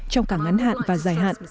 trong cả ngắn hạn và dài hạn